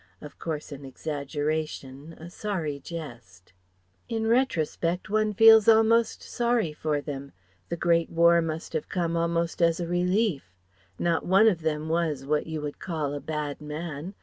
Of course an exaggeration, a sorry jest. In retrospect one feels almost sorry for them: the Great War must have come almost as a relief. Not one of them was what you would call a bad man.